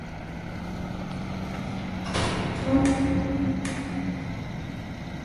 He lives in Kikinda.